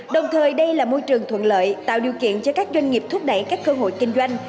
đồng thời đây là môi trường thuận lợi tạo điều kiện cho các doanh nghiệp thúc đẩy các cơ hội kinh doanh